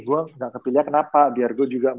gue gak kepilih kenapa